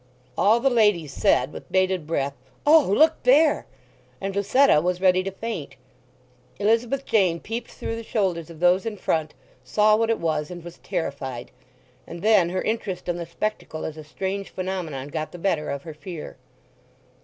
All the ladies said with bated breath, "O, look there!" and Lucetta was ready to faint. Elizabeth Jane peeped through the shoulders of those in front, saw what it was, and was terrified; and then her interest in the spectacle as a strange phenomenon got the better of her fear.